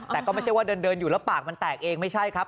แต่ก็ไม่ใช่ว่าเดินอยู่แล้วปากมันแตกเองไม่ใช่ครับ